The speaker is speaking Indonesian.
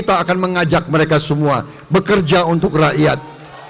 kita akan mengajak mereka semua bekerja untuk rakyat